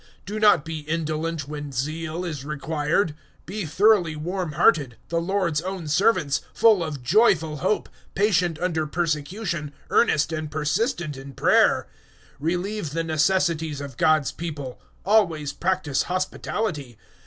012:011 Do not be indolent when zeal is required. Be thoroughly warm hearted, the Lord's own servants, 012:012 full of joyful hope, patient under persecution, earnest and persistent in prayer. 012:013 Relieve the necessities of God's people; always practise hospitality.